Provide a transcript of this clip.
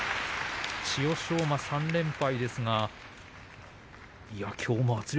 千代翔馬３連敗。